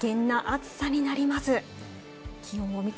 危険な暑さになります。